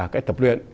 cái tập luyện